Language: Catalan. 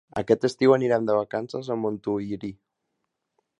Aquest estiu anirem de vacances a Montuïri.